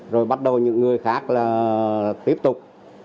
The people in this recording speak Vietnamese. rồi bắt đầu những người khác là tiếp tục